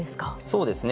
そうですね。